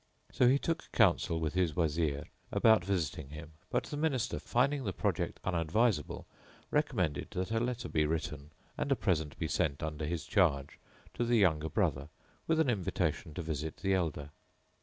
So he took counsel with his Wazír[FN#4] about visiting him, but the Minister, finding the project unadvisable, recommended that a letter be written and a present be sent under his charge to the younger brother with an invitation to visit the elder.